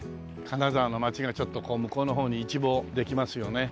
金沢の街がちょっとこう向こうの方に一望できますよね。